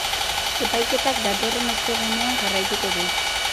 Epaiketak datorren ostegunean jarraituko du.